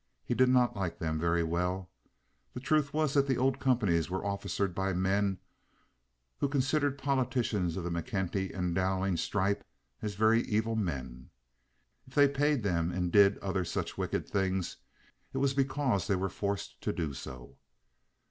He did not like them very well. The truth was that the old companies were officered by men who considered politicians of the McKenty and Dowling stripe as very evil men; if they paid them and did other such wicked things it was because they were forced to do so.